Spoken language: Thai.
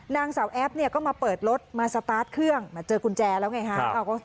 นางสาวแอฟเนี่ยก็มาเปิดรถมาสตาร์ทเครื่องมาเจอกุญแจแล้วไงฮะ